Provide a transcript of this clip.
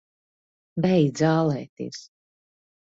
Beidz ālēties!